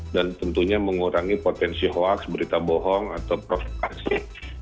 dan tentunya mengurangi potensi hoax berita bohong atau provokasi